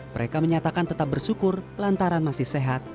mereka menyatakan tetap bersyukur lantaran masih sehat